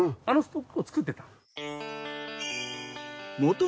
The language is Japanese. あのストックを作ってたの。